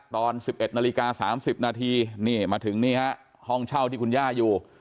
ตอน๑๑นาฬิกา๓๐นาทีนี่มาถึงนี่ฮะห้องเช่าที่คุณย่าอยู่